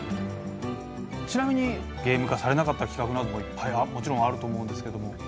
ちなみにゲーム化されなかった企画などもいっぱいもちろんあると思うんですけども。